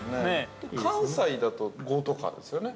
◆関西だと５とかですよね？